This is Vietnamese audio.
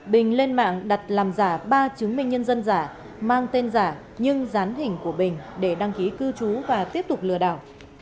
bình lên mạng đặt làm giả ba chứng minh nhân dân giả mang tên giả nhưng dán hình của bình để đăng ký cư trú và tiếp tục lừa đảo